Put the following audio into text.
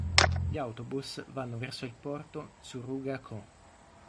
Gli Autobus vanno verso il porto Tsuruga-kō